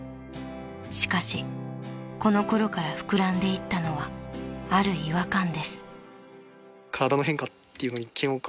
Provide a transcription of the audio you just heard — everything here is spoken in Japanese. ［しかしこの頃から膨らんでいったのはある違和感です］